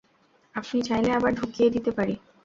আপনি চাইলে আবার ঢুকিয়ে দিতে পারি।